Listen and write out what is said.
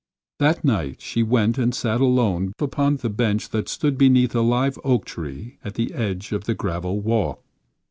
That night she went and sat alone upon a bench that stood beneath a live oak tree at the edge of the gravel walk.